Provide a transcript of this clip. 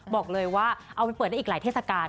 บอกเลยว่าเอาไปเปิดได้อีกหลายเทศกาล